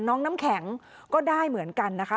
น้ำแข็งก็ได้เหมือนกันนะคะ